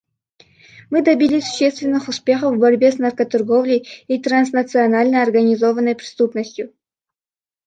Мы добились существенных успехов в борьбе с наркоторговлей и транснациональной организованной преступностью.